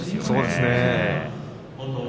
そうですね。